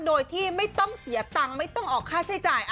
โดยที่ไม่ต้องเสียตังค์ไม่ต้องออกค่าใช้จ่าย